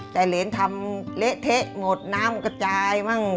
แต่เหรนทำเละเทะหมดน้ำกระจายมั่ง